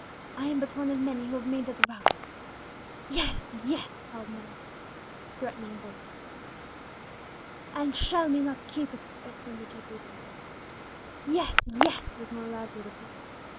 I am but one of many who have made that vow " "Yes, yes!" howled forth many threatening voices. "And shall we not keep it?" exclaimed the deeply wronged man. "Yes, yes!" was more loudly repeated.